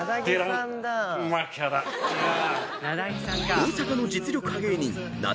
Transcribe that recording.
［大阪の実力派芸人なだ